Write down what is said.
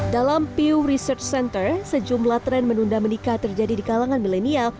dalam piew research center sejumlah tren menunda menikah terjadi di kalangan milenial